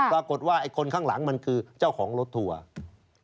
ปรากฏว่าไอ้คนข้างหลังมันคือเจ้าของรถทัวร์